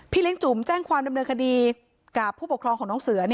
เลี้ยงจุ๋มแจ้งความดำเนินคดีกับผู้ปกครองของน้องเสือ